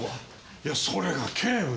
いやそれが警部！